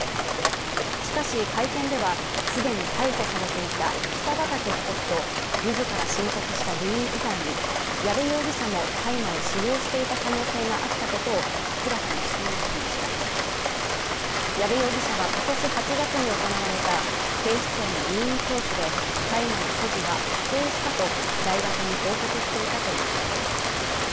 しかし会見では既に逮捕されていた北畠被告と自ら申告した部員以外に矢部容疑者も大麻を使用していた可能性があったことを明らかにしていませんでした矢部容疑者は今年８月に行われた警視庁の任意聴取で大麻の所持は否定したと大学に報告していたということです